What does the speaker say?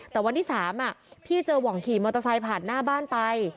แต่วันที่๓พี่เจอหว่องขี่มอเตอร์ไซค์ผ่านหน้าบ้านไป